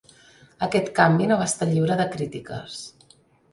Aquest canvi no va estar lliure de crítiques.